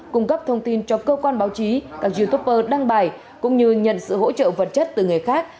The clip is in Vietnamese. cung cấp thông tin cho cơ quan báo chí các youtuber đăng bài cũng như nhận sự hỗ trợ vật chất từ người khác